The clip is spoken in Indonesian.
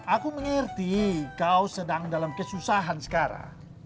aku mengerti kau sedang dalam kesusahan sekarang